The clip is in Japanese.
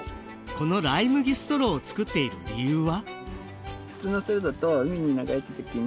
このライ麦ストローを作っている理由は？